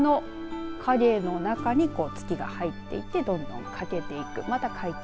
地球の影の中に月が入っていってどんどん、かけていく。